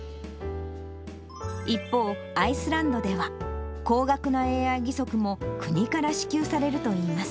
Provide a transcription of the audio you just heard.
一方、アイスランドでは、高額なＡＩ義足も国から支給されるといいます。